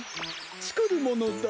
つくるものだ。